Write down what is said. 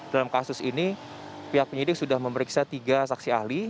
dalam kasus ini pihak penyidik sudah memeriksa tiga saksi ahli